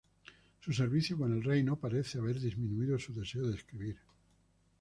Su servicio con el rey no parece haber disminuido su deseo de escribir.